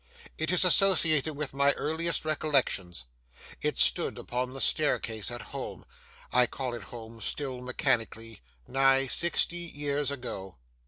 It is associated with my earliest recollections. It stood upon the staircase at home (I call it home still mechanically), nigh sixty years ago.